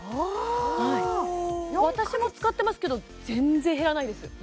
私も使ってますけど全然減らないです